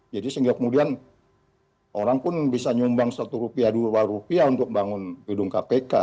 jadi sehingga kemudian orang pun bisa nyumbang satu rupiah dua rupiah untuk bangun gedung kpk dan seterusnya